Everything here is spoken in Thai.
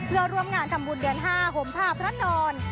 จะรวมงานทำบุญเหลียน๕โภมภาพพระนน